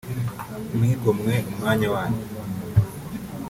mwigomwe umwanya wanyu